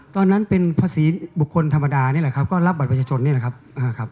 ตอนนั้นเป็นภาษีบุคคลธรรมดานี่แหละครับก็รับบัตรประชาชนนี่แหละครับ